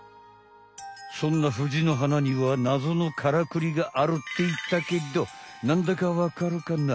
そんなフジの花には謎のカラクリがあるっていったけどなんだかわかるかな？